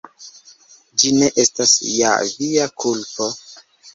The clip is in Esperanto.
Ĝi ne estas ja via kulpo!